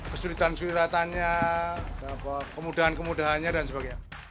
kesulitan kesulitannya kemudahan kemudahannya dan sebagainya